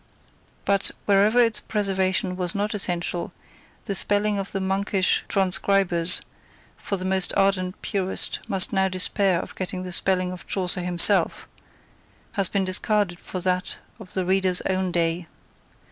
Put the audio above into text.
But, wherever its preservation was not essential, the spelling of the monkish transcribers — for the most ardent purist must now despair of getting at the spelling of Chaucer himself — has been discarded for that of the reader's own day.